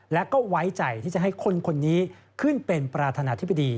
และก็ไว้ใจที่จะให้คนคนนี้ขึ้นเป็นประธานาธิบดี